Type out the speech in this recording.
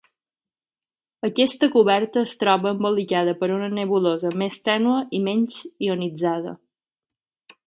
Aquesta coberta es troba embolicada per una nebulosa més tènue i menys ionitzada.